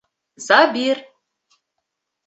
Сабир.